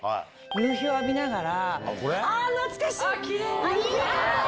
夕日を浴びながら。